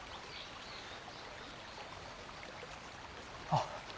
あっ！